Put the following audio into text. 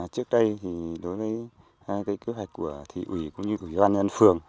trước đây đối với kế hoạch của thị ủy cũng như của bà nhân phường